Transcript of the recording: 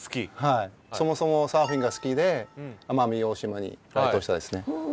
そもそもサーフィンが好きで奄美大島に来島したですね。